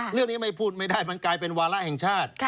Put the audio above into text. เลือกนี้ไม่พูดังนั้นไม่ได้มันเป็นวาระแห่งชาติ